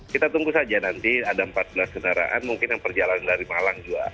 kita tunggu saja nanti ada empat belas kendaraan mungkin yang perjalanan dari malang juga